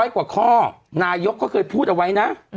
กว่าข้อนายกก็เคยพูดเอาไว้นะ